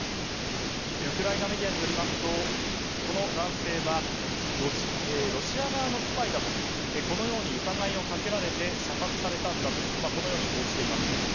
ウクライナメディアによりますとこの男性はロシア側のスパイだとこのように疑いをかけられて射殺されたんだと報じています。